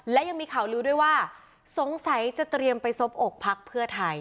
และยังมีข่าวลือด้วยว่าสงสัยจะเตรียมไปซบอกพักเพื่อไทย